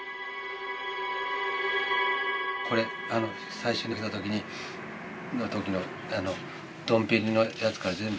これ最初に来た時のドンペリのやつから全部。